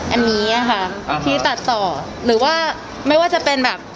อันนี้ค่ะที่ตัดต่อหรือว่าไม่ว่าจะเป็นแบบ